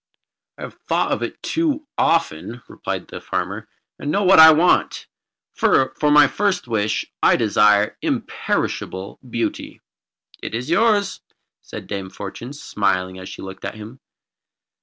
"I have thought of it too often," replied the farmer, "and I know what I want. For my first wish I desire imperishable beauty." "It is yours," said Dame Fortune, smiling as she looked at him.